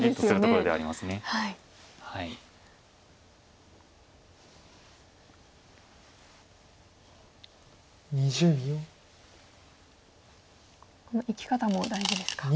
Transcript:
この生き方も大事ですか。